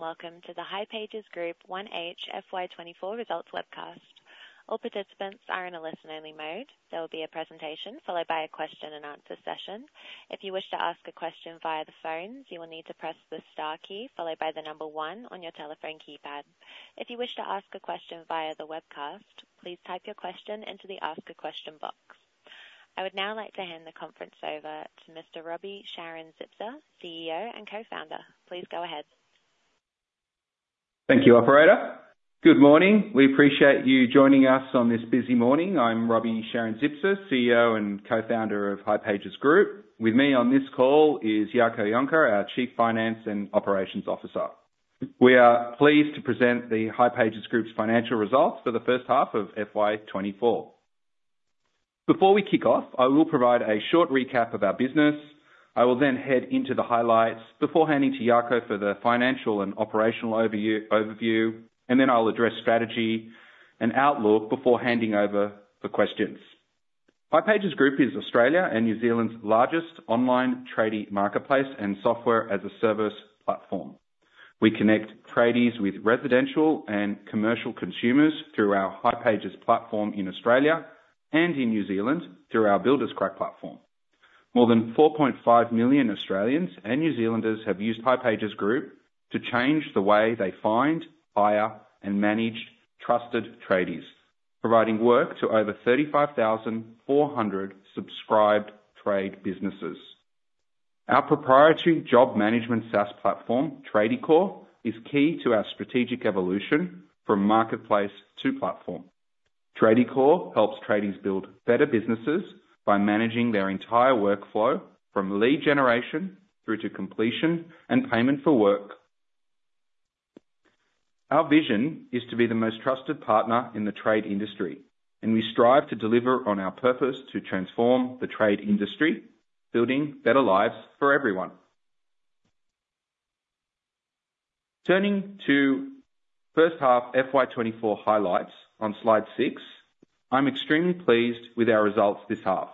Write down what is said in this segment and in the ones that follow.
Welcome to the hipages Group 1H FY 2024 results webcast. All participants are in a listen-only mode. There will be a presentation followed by a question-and-answer session. If you wish to ask a question via the phones, you will need to press the star key followed by the number 1 on your telephone keypad. If you wish to ask a question via the webcast, please type your question into the Ask a Question box. I would now like to hand the conference over to Mr. Roby Sharon-Zipser, CEO and Co-Founder. Please go ahead. Thank you, operator. Good morning. We appreciate you joining us on this busy morning. I'm Roby Sharon-Zipser, CEO and Co-Founder of hipages Group. With me on this call is Jaco Jonker, our Chief Financial and Operations Officer. We are pleased to present the hipages Group's financial results for the first half of FY 2024. Before we kick off, I will provide a short recap of our business. I will then head into the highlights before handing to Jaco for the financial and operational overview, and then I'll address strategy and outlook before handing over for questions. hipages Group is Australia and New Zealand's largest online trading marketplace and software-as-a-service platform. We connect tradies with residential and commercial consumers through our hipages platform in Australia and in New Zealand through our Builderscrack platform. More than 4.5 million Australians and New Zealanders have used hipages Group to change the way they find, hire, and manage trusted trades, providing work to over 35,400 subscribed trade businesses. Our proprietary job management SaaS platform, Tradiecore, is key to our strategic evolution from marketplace to platform. Tradiecore helps tradies build better businesses by managing their entire workflow from lead generation through to completion and payment for work. Our vision is to be the most trusted partner in the trade industry, and we strive to deliver on our purpose to transform the trade industry, building better lives for everyone. Turning to first half FY 2024 highlights on Slide 6, I'm extremely pleased with our results this half.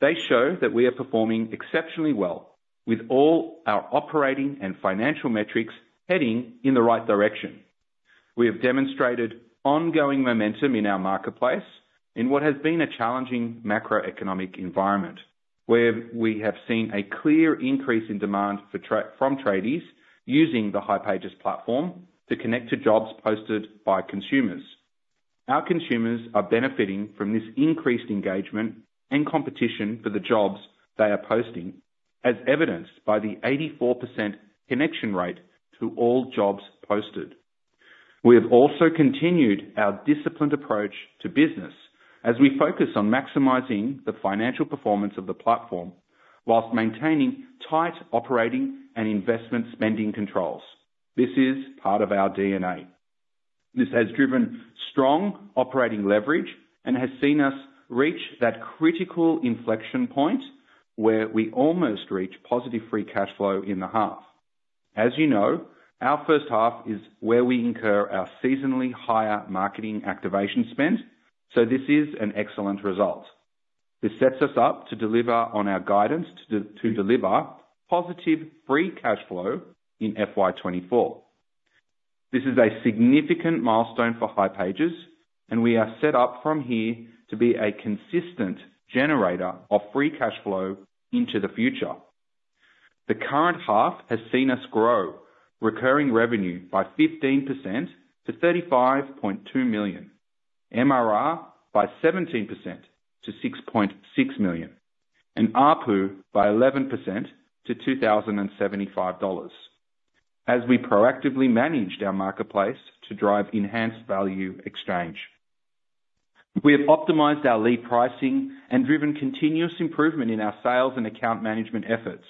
They show that we are performing exceptionally well, with all our operating and financial metrics heading in the right direction. We have demonstrated ongoing momentum in our marketplace in what has been a challenging macroeconomic environment, where we have seen a clear increase in demand from tradies using the hipages platform to connect to jobs posted by consumers. Our consumers are benefiting from this increased engagement and competition for the jobs they are posting, as evidenced by the 84% connection rate to all jobs posted. We have also continued our disciplined approach to business as we focus on maximizing the financial performance of the platform while maintaining tight operating and investment spending controls. This is part of our DNA. This has driven strong operating leverage and has seen us reach that critical inflection point where we almost reach positive free cash flow in the half. As you know, our first half is where we incur our seasonally higher marketing activation spend, so this is an excellent result. This sets us up to deliver on our guidance to deliver positive free cash flow in FY 2024. This is a significant milestone for hipages, and we are set up from here to be a consistent generator of free cash flow into the future. The current half has seen us grow recurring revenue by 15% to 35.2 million, MRR by 17% to 6.6 million, and ARPU by 11% to 2,075 dollars, as we proactively managed our marketplace to drive enhanced value exchange. We have optimized our lead pricing and driven continuous improvement in our sales and account management efforts.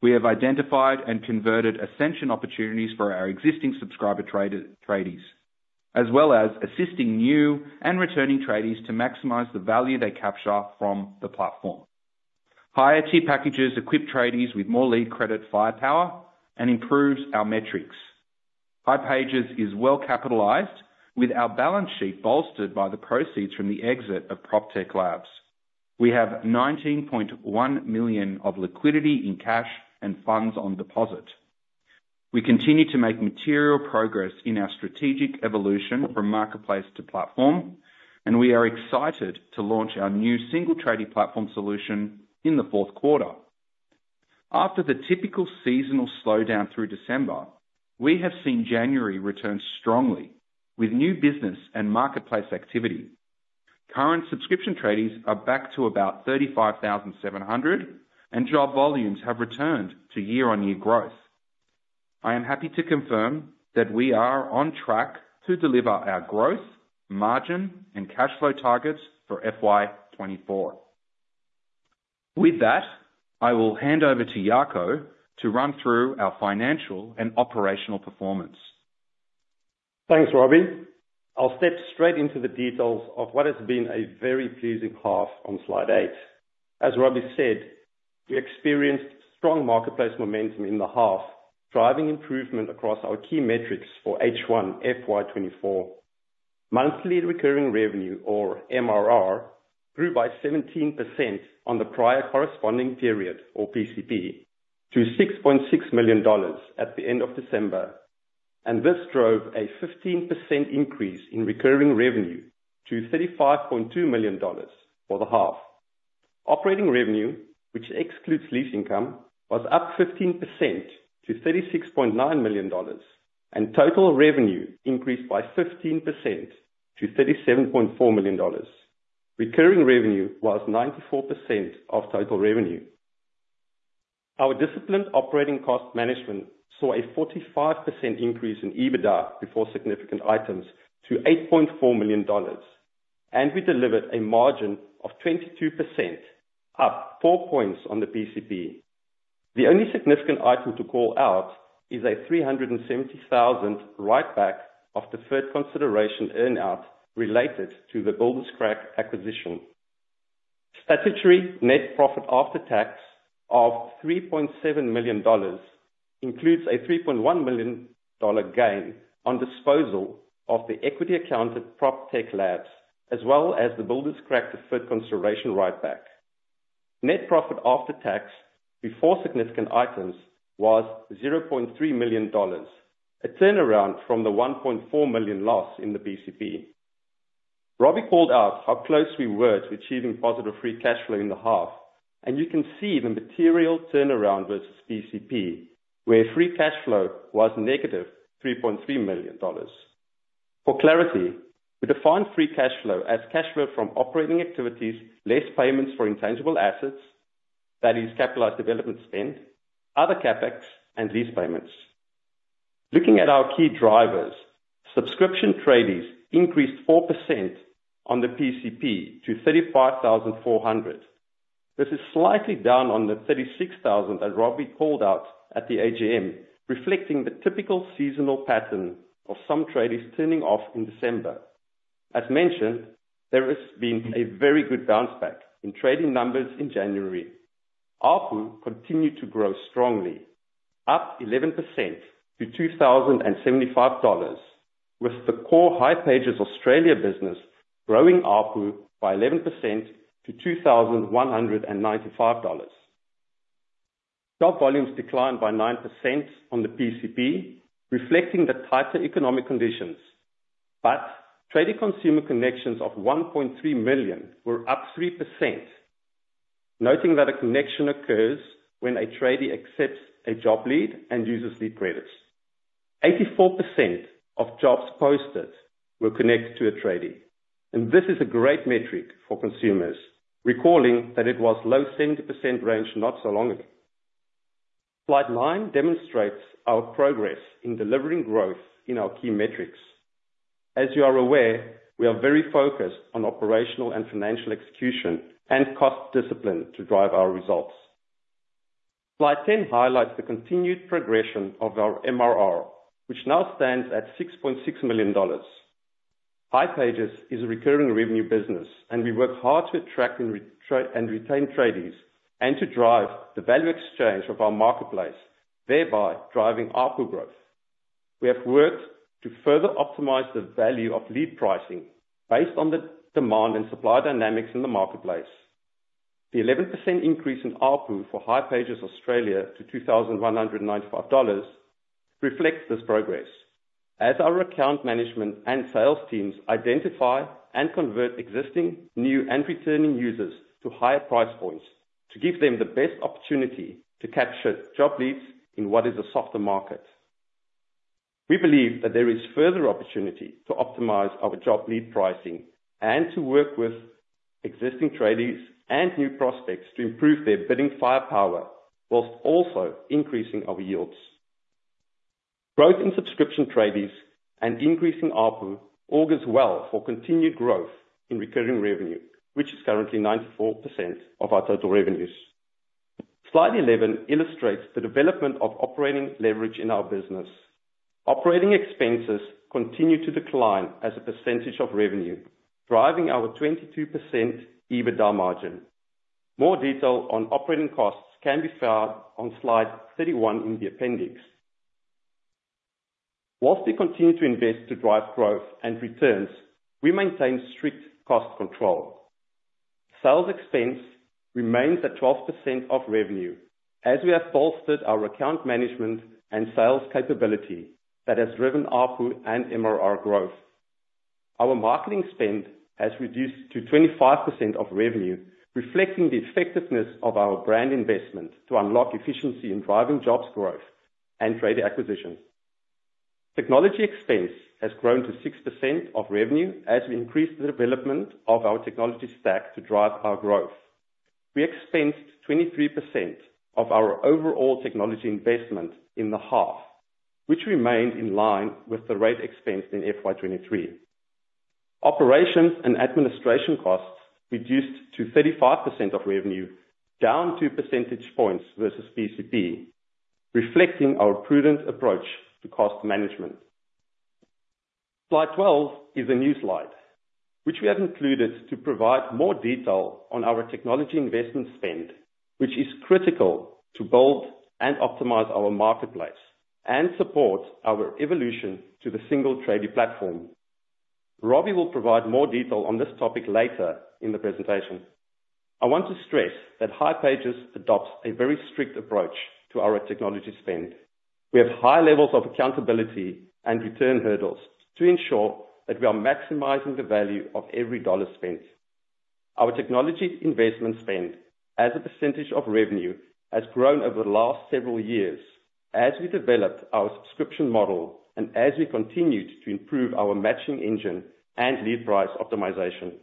We have identified and converted ascension opportunities for our existing subscriber tradies as well as assisting new and returning tradies to maximize the value they capture from the platform. Higher tier packages equip tradies with more lead credit firepower and improves our metrics. hipages is well capitalized with our balance sheet bolstered by the proceeds from the exit of PropTech Labs. We have 19.1 million of liquidity in cash and funds on deposit. We continue to make material progress in our strategic evolution from marketplace to platform, and we are excited to launch our new single tradie platform solution in the fourth quarter. After the typical seasonal slowdown through December, we have seen January return strongly with new business and marketplace activity. Current subscription tradies are back to about 35,700, and job volumes have returned to year-on-year growth. I am happy to confirm that we are on track to deliver our growth, margin, and cash flow targets for FY 2024. With that, I will hand over to Jaco to run through our financial and operational performance. Thanks, Roby. I'll step straight into the details of what has been a very pleasing half on Slide 8. As Roby said, we experienced strong marketplace momentum in the half, driving improvement across our key metrics for H1 FY 2024. Monthly recurring revenue, or MRR, grew by 17% on the prior corresponding period, or PCP, to 6.6 million dollars at the end of December, and this drove a 15% increase in recurring revenue to 35.2 million dollars for the half. Operating revenue, which excludes lease income, was up 15% to 36.9 million dollars, and total revenue increased by 15% to 37.4 million dollars. Recurring revenue was 94% of total revenue. Our disciplined operating cost management saw a 45% increase in EBITDA before significant items to 8.4 million dollars, and we delivered a margin of 22%, up four points on the PCP. The only significant item to call out is a 370,000 write-back of the third consideration earnout related to the Builderscrack acquisition. Statutory net profit after tax of 3.7 million dollars includes a 3.1 million dollar gain on disposal of the equity accounted PropTech Labs as well as the Builderscrack third consideration write-back. Net profit after tax before significant items was 0.3 million dollars, a turnaround from the 1.4 million loss in the PCP. Roby called out how close we were to achieving positive free cash flow in the half, and you can see the material turnaround versus PCP, where free cash flow was negative 3.3 million dollars. For clarity, we define free cash flow as cash flow from operating activities, less payments for intangible assets, that is, capitalised development spend, other CapEx, and lease payments. Looking at our key drivers, subscription tradies increased 4% on the PCP to 35,400. This is slightly down on the 36,000 that Roby called out at the AGM, reflecting the typical seasonal pattern of some tradies turning off in December. As mentioned, there has been a very good bounce back in trading numbers in January. ARPU continued to grow strongly, up 11% to 2,075 dollars, with the core hipages Australia business growing ARPU by 11% to 2,195 dollars. Job volumes declined by 9% on the PCP, reflecting the tighter economic conditions, but tradie consumer connections of 1.3 million were up 3%, noting that a connection occurs when a tradie accepts a job lead and uses lead credits. 84% of jobs posted were connected to a tradie, and this is a great metric for consumers, recalling that it was low 70% range not so long ago. Slide 9 demonstrates our progress in delivering growth in our key metrics. As you are aware, we are very focused on operational and financial execution and cost discipline to drive our results. Slide 10 highlights the continued progression of our MRR, which now stands at 6.6 million dollars. hipages is a recurring revenue business, and we work hard to attract and retain tradies and to drive the value exchange of our marketplace, thereby driving ARPU growth. We have worked to further optimize the value of lead pricing based on the demand and supply dynamics in the marketplace. The 11% increase in ARPU for hipages Australia to 2,195 dollars reflects this progress, as our account management and sales teams identify and convert existing, new, and returning users to higher price points to give them the best opportunity to capture job leads in what is a softer market. We believe that there is further opportunity to optimize our job lead pricing and to work with existing tradies and new prospects to improve their bidding firepower while also increasing our yields. Growth in subscription tradies and increasing ARPU augurs well for continued growth in recurring revenue, which is currently 94% of our total revenues. Slide 11 illustrates the development of operating leverage in our business. Operating expenses continue to decline as a percentage of revenue, driving our 22% EBITDA margin. More detail on operating costs can be found on Slide 31 in the appendix. While we continue to invest to drive growth and returns, we maintain strict cost control. Sales expense remains at 12% of revenue as we have bolstered our account management and sales capability that has driven ARPU and MRR growth. Our marketing spend has reduced to 25% of revenue, reflecting the effectiveness of our brand investment to unlock efficiency in driving jobs growth and tradie acquisition. Technology expense has grown to 6% of revenue as we increased the development of our technology stack to drive our growth. We expensed 23% of our overall technology investment in the half, which remained in line with the rate expensed in FY 2023. Operations and administration costs reduced to 35% of revenue, down two percentage points versus PCP, reflecting our prudent approach to cost management. Slide 12 is a new slide, which we have included to provide more detail on our technology investment spend, which is critical to build and optimize our marketplace and support our evolution to the single tradie platform. Roby will provide more detail on this topic later in the presentation. I want to stress that hipages adopts a very strict approach to our technology spend. We have high levels of accountability and return hurdles to ensure that we are maximizing the value of every dollar spent. Our technology investment spend as a percentage of revenue has grown over the last several years as we developed our subscription model and as we continued to improve our matching engine and lead price optimization.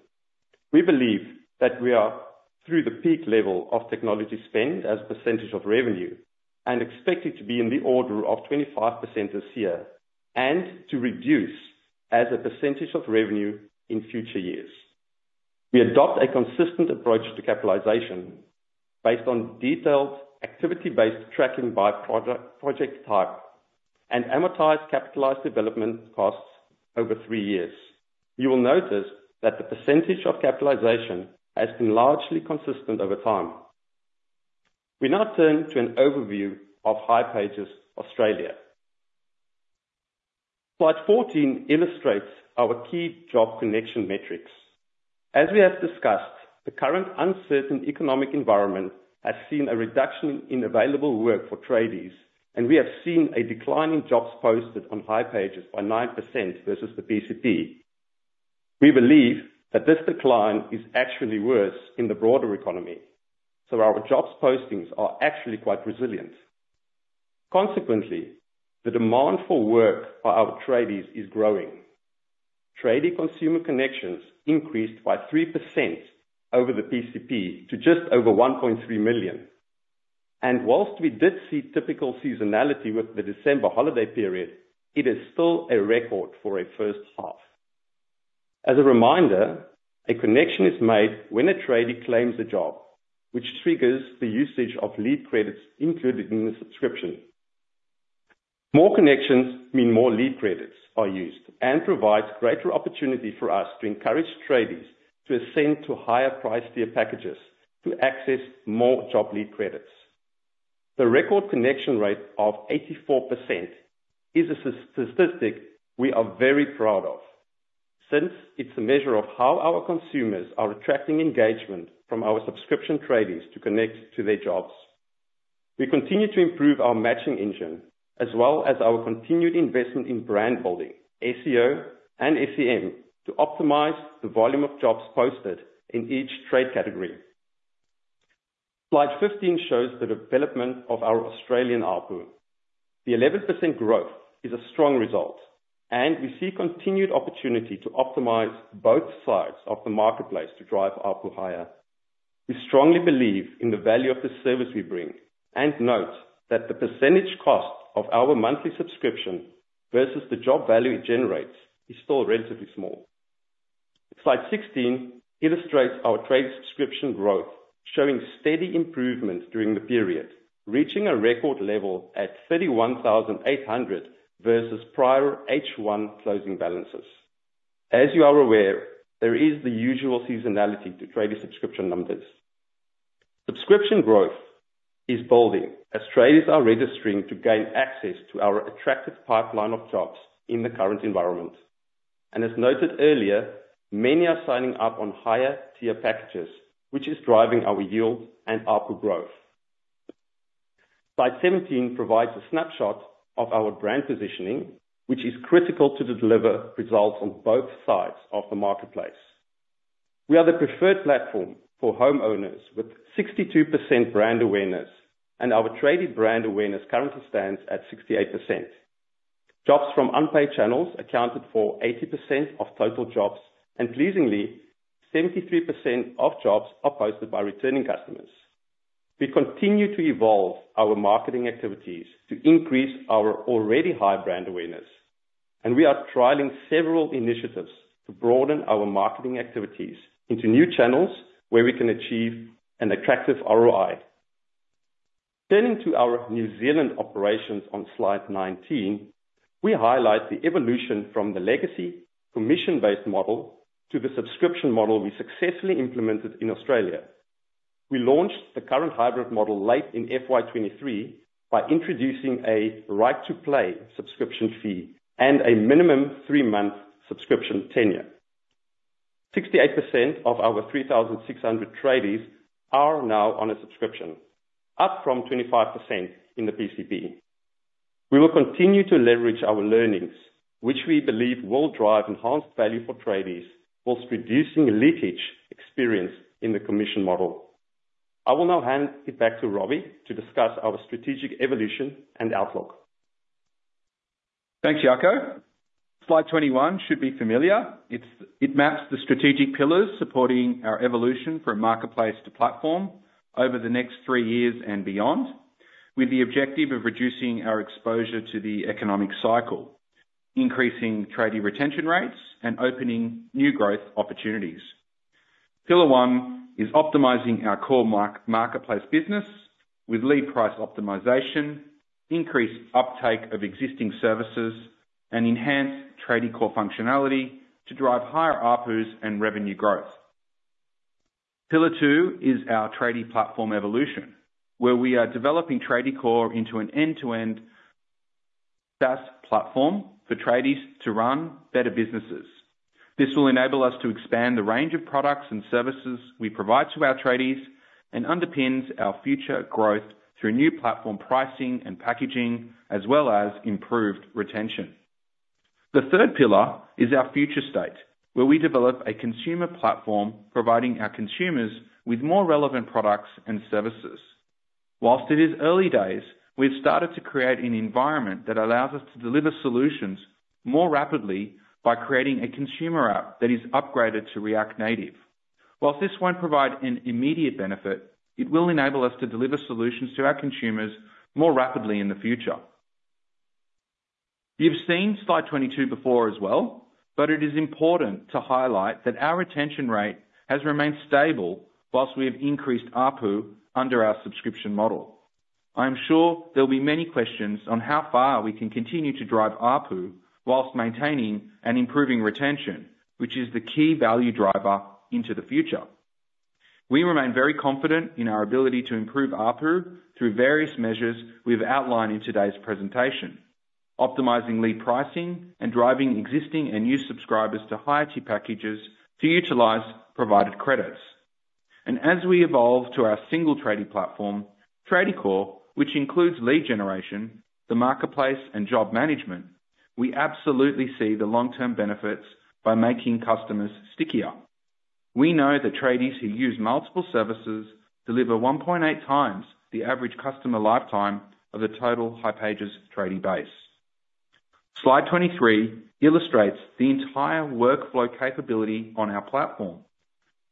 We believe that we are through the peak level of technology spend as a percentage of revenue and expect it to be in the order of 25% this year and to reduce as a percentage of revenue in future years. We adopt a consistent approach to capitalization based on detailed activity-based tracking by project type and amortized capitalized development costs over three years. You will notice that the percentage of capitalization has been largely consistent over time. We now turn to an overview of hipages Australia. Slide 14 illustrates our key job connection metrics. As we have discussed, the current uncertain economic environment has seen a reduction in available work for tradies and we have seen a decline in jobs posted on hipages by 9% versus the PCP. We believe that this decline is actually worse in the broader economy, so our job postings are actually quite resilient. Consequently, the demand for work by our tradies is growing. Tradie consumer connections increased by 3% over the PCP to just over 1.3 million. While we did see typical seasonality with the December holiday period, it is still a record for a first half. As a reminder, a connection is made when a tradie claims a job, which triggers the usage of lead credits included in the subscription. More connections mean more lead credits are used and provides greater opportunity for us to encourage tradies to ascend to higher price tier packages to access more job lead credits. The record connection rate of 84% is a statistic we are very proud of since it's a measure of how our consumers are attracting engagement from our subscription tradies to connect to their jobs. We continue to improve our matching engine as well as our continued investment in brand building, SEO, and SEM to optimize the volume of jobs posted in each trade category. Slide 15 shows the development of our Australian ARPU. The 11% growth is a strong result, and we see continued opportunity to optimize both sides of the marketplace to drive ARPU higher. We strongly believe in the value of the service we bring and note that the percentage cost of our monthly subscription versus the job value it generates is still relatively small. Slide 16 illustrates our tradie subscription growth, showing steady improvement during the period, reaching a record level at 31,800 versus prior H1 closing balances. As you are aware, there is the usual seasonality to tradie subscription numbers. Subscription growth is building as tradies are registering to gain access to our attractive pipeline of jobs in the current environment. As noted earlier, many are signing up on higher tier packages, which is driving our yield and ARPU growth. Slide 17 provides a snapshot of our brand positioning, which is critical to deliver results on both sides of the marketplace. We are the preferred platform for homeowners with 62% brand awareness, and our tradie brand awareness currently stands at 68%. Jobs from unpaid channels accounted for 80% of total jobs, and pleasingly, 73% of jobs are posted by returning customers. We continue to evolve our marketing activities to increase our already high brand awareness, and we are trialing several initiatives to broaden our marketing activities into new channels where we can achieve an attractive ROI. Turning to our New Zealand operations on Slide 19, we highlight the evolution from the legacy commission-based model to the subscription model we successfully implemented in Australia. We launched the current hybrid model late in FY 2023 by introducing a right-to-play subscription fee and a minimum three-month subscription tenure. 68% of our 3,600 tradies are now on a subscription, up from 25% in the PCP. We will continue to leverage our learnings, which we believe will drive enhanced value for tradies while reducing leakage experience in the commission model. I will now hand it back to Roby to discuss our strategic evolution and outlook. Thanks, Jaco. Slide 21 should be familiar. It maps the strategic pillars supporting our evolution from marketplace to platform over the next three years and beyond, with the objective of reducing our exposure to the economic cycle, increasing tradie retention rates, and opening new growth opportunities. Pillar one is optimizing our core marketplace business with lead price optimization, increased uptake of existing services, and enhanced tradie core functionality to drive higher ARPUs and revenue growth. Pillar two is our tradie platform evolution, where we are developing tradie core into an end-to-end SaaS platform for tradies to run better businesses. This will enable us to expand the range of products and services we provide to our tradies and underpins our future growth through new platform pricing and packaging, as well as improved retention. The third pillar is our future state, where we develop a consumer platform providing our consumers with more relevant products and services. While it is early days, we've started to create an environment that allows us to deliver solutions more rapidly by creating a consumer app that is upgraded to React Native. While this won't provide an immediate benefit, it will enable us to deliver solutions to our consumers more rapidly in the future. You've seen Slide 22 before as well, but it is important to highlight that our retention rate has remained stable while we have increased ARPU under our subscription model. I am sure there'll be many questions on how far we can continue to drive ARPU while maintaining and improving retention, which is the key value driver into the future. We remain very confident in our ability to improve ARPU through various measures we've outlined in today's presentation, optimizing lead pricing and driving existing and new subscribers to higher tier packages to utilize provided credits. As we evolve to our single tradie platform, tradie core, which includes lead generation, the marketplace, and job management, we absolutely see the long-term benefits by making customers stickier. We know that tradies who use multiple services deliver 1.8 times the average customer lifetime of the total hipages tradie base. Slide 23 illustrates the entire workflow capability on our platform.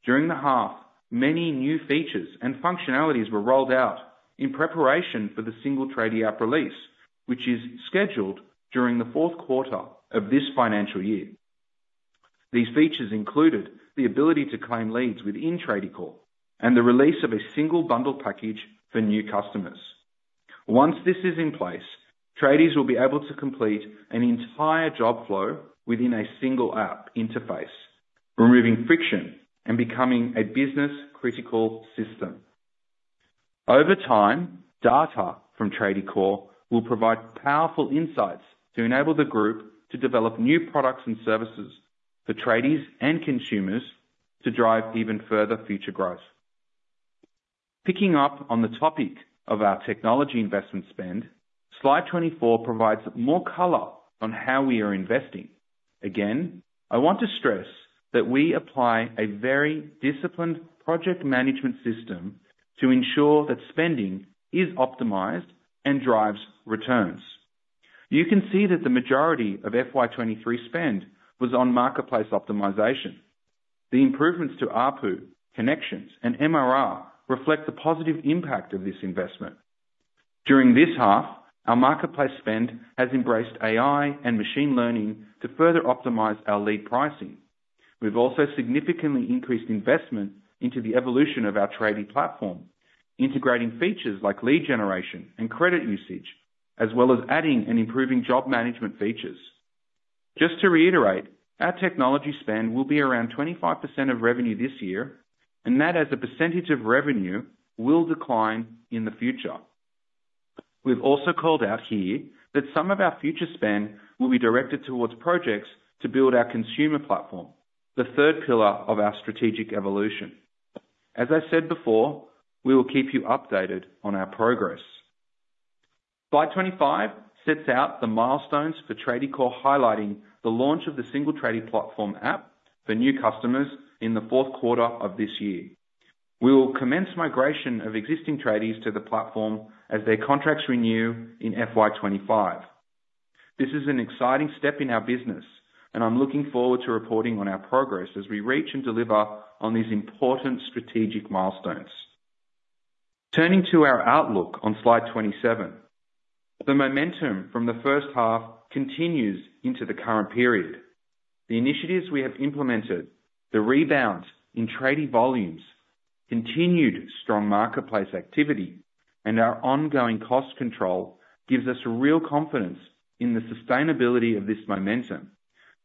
During the half, many new features and functionalities were rolled out in preparation for the single tradie app release, which is scheduled during the fourth quarter of this financial year. These features included the ability to claim leads within tradie core and the release of a single bundle package for new customers. Once this is in place, tradies will be able to complete an entire job flow within a single app interface, removing friction and becoming a business-critical system. Over time, data from tradie core will provide powerful insights to enable the group to develop new products and services for tradies and consumers to drive even further future growth. Picking up on the topic of our technology investment spend, Slide 24 provides more color on how we are investing. Again, I want to stress that we apply a very disciplined project management system to ensure that spending is optimized and drives returns. You can see that the majority of FY 2023 spend was on marketplace optimization. The improvements to ARPU, connections, and MRR reflect the positive impact of this investment. During this half, our marketplace spend has embraced AI and machine learning to further optimize our lead pricing. We've also significantly increased investment into the evolution of our tradie platform, integrating features like lead generation and credit usage, as well as adding and improving job management features. Just to reiterate, our technology spend will be around 25% of revenue this year, and that as a percentage of revenue will decline in the future. We've also called out here that some of our future spend will be directed towards projects to build our consumer platform, the third pillar of our strategic evolution. As I said before, we will keep you updated on our progress. Slide 25 sets out the milestones for tradie core highlighting the launch of the single tradie platform app for new customers in the fourth quarter of this year. We will commence migration of existing tradies to the platform as their contracts renew in FY 2025. This is an exciting step in our business, and I'm looking forward to reporting on our progress as we reach and deliver on these important strategic milestones. Turning to our outlook on Slide 27, the momentum from the first half continues into the current period. The initiatives we have implemented, the rebound in tradie volumes, continued strong marketplace activity, and our ongoing cost control gives us real confidence in the sustainability of this momentum.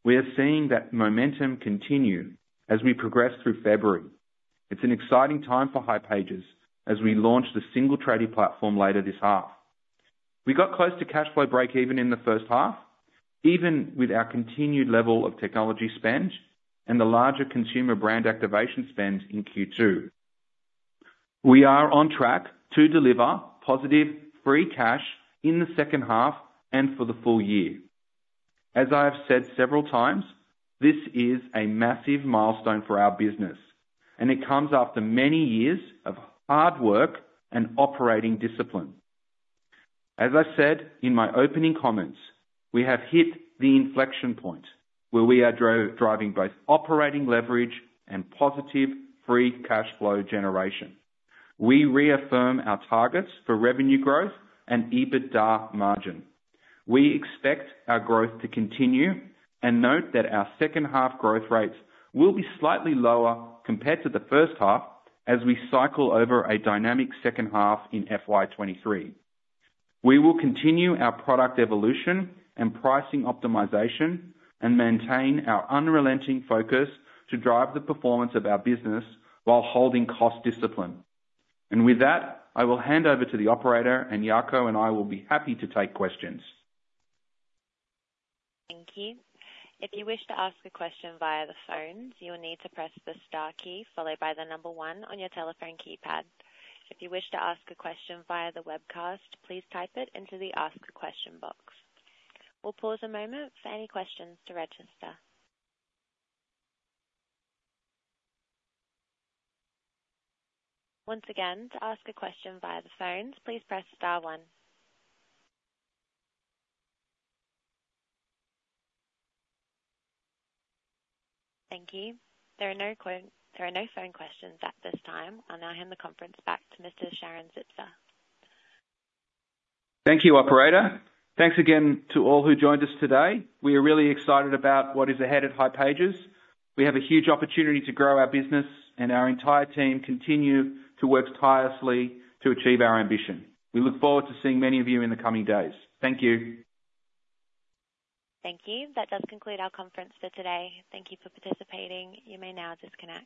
We are seeing that momentum continue as we progress through February. It's an exciting time for hipages as we launch the single tradie platform later this half. We got close to cashflow break-even in the first half, even with our continued level of technology spend and the larger consumer brand activation spend in Q2. We are on track to deliver positive free cash in the second half and for the full year. As I have said several times, this is a massive milestone for our business, and it comes after many years of hard work and operating discipline. As I said in my opening comments, we have hit the inflection point where we are driving both operating leverage and positive free cashflow generation. We reaffirm our targets for revenue growth and EBITDA margin. We expect our growth to continue and note that our second-half growth rates will be slightly lower compared to the first half as we cycle over a dynamic second half in FY 2023. We will continue our product evolution and pricing optimization and maintain our unrelenting focus to drive the performance of our business while holding cost discipline. With that, I will hand over to the operator, and Jaco and I will be happy to take questions. Thank you. If you wish to ask a question via the phones, you will need to press the star key followed by the number one on your telephone keypad. If you wish to ask a question via the webcast, please type it into the Ask a Question box. We'll pause a moment for any questions to register. Once again, to ask a question via the phones, please press star one. Thank you. There are no phone questions at this time. I'll now hand the conference back to Mr. Sharon-Zipser. Thank you, operator. Thanks again to all who joined us today. We are really excited about what is ahead at hipages. We have a huge opportunity to grow our business, and our entire team continue to work tirelessly to achieve our ambition. We look forward to seeing many of you in the coming days. Thank you. Thank you. That does conclude our conference for today. Thank you for participating. You may now disconnect.